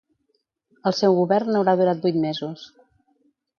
El seu govern haurà durat vuit mesos.